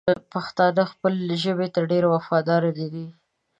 پښتانه خپلې ژبې ته ډېر وفادار ندي!